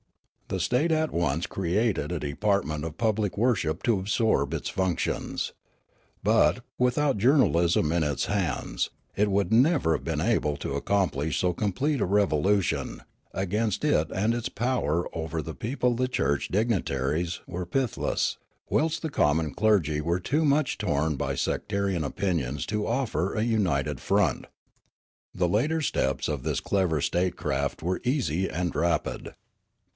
The state at once created a department of public worship to absorb its functions. But, without journalism in its hands, it would never have been able to accomplish so complete a revolution ; against it and its power over the people the church dignitaries were pithless ; whilst the common clergy were too much torn by sectarian opinions to offer a united front. The later steps of this clever statecraft were easy and rapid.